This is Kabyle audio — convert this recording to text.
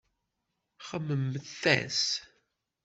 Xemmememt-as.